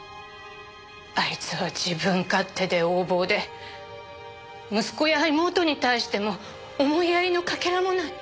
あいつは自分勝手で横暴で息子や妹に対しても思いやりのかけらもない。